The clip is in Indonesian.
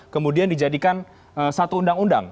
kemudian dijadikan satu undang undang